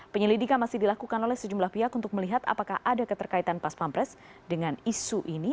penyelidikan masih dilakukan oleh sejumlah pihak untuk melihat apakah ada keterkaitan pas pampres dengan isu ini